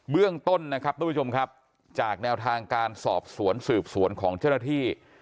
เรื่องต้นนะครับทุกผู้ชมครับจากแนวทางการสอบสวนสืบสวนของเจ้าหน้าที่